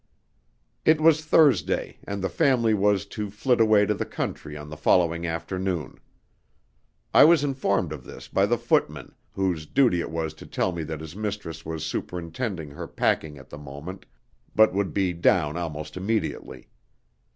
It was Thursday, and the family was to flit away to the country on the following afternoon. I was informed of this by the footman, whose duty it was to tell me that his mistress was superintending her packing at the moment, but would be down almost immediately.